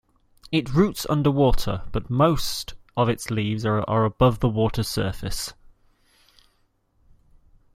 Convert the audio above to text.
It roots underwater, but most of its leaves are above the water surface.